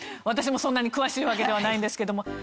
私もそんなに詳しいわけではないんですけども。